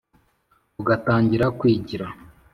ugatangira kwigira